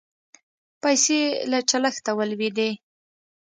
پیسې له چلښته ولوېدې.